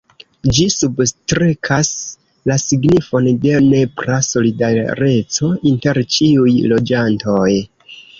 Ĝi substrekas la signifon de nepra solidareco inter ĉiuj loĝantoj.